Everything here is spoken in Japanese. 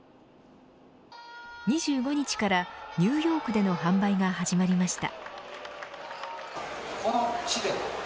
２５日からニューヨークでの販売が始まりました。